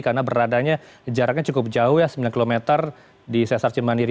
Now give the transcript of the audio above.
karena beradanya jaraknya cukup jauh ya sembilan km di sesar cemandiri